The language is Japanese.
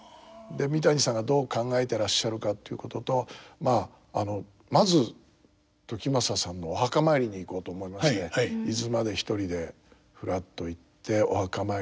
三谷さんがどう考えてらっしゃるかということとまず時政さんのお墓参りに行こうと思いまして伊豆まで一人でふらっと行ってお墓参りをさせていただいて。